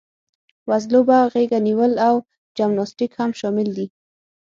وزلوبه، غېږه نیول او جمناسټیک هم شامل دي.